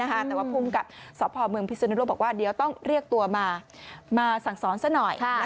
แต่ว่าภูมิกับสพเมืองพิศนุโลกบอกว่าเดี๋ยวต้องเรียกตัวมาสั่งสอนซะหน่อย